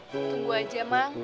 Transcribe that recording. tunggu aja mang